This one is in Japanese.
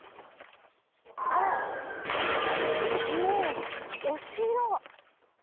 あらもうお城！